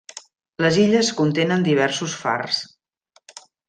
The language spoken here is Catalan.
Les illes contenen diversos fars.